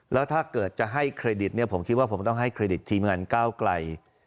แล้วถ้าเกิดจะให้เครดิตเนี่ยผมคิดว่าผมต้องให้เครดิตทีมงานก้าวไกล